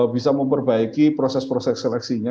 bisa memperbaiki proses proses seleksinya